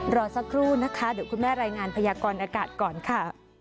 รอสักครู่นะคะเดี๋ยวคุณแม่รายงานพยากรอากาศก่อนค่ะ